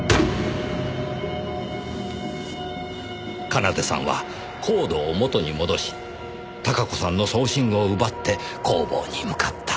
奏さんはコードを元に戻し孝子さんの装身具を奪って工房に向かった。